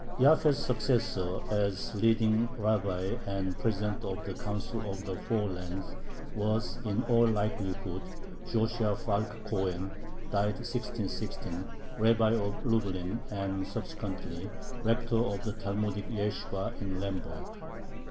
Jaffe's successor as leading rabbi and president of the "Council of the Four Lands" was, in all likelihood, Joshua Falk Cohen (died 1616), Rabbi of Lublin and subsequently rector of the Talmudic yeshibah in Lemberg.